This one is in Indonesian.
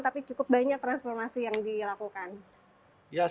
tapi cukup banyak transformasi yang dilakukan